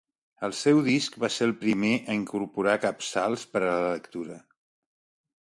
El seu disc va ser el primer a incorporar capçals per a la lectura.